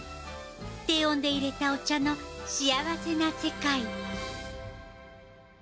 低温でいれたお茶の幸せな世界。